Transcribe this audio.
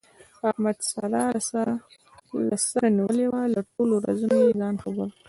احمد ساره له سره نیولې وه، له ټولو رازونو یې ځان خبر کړ.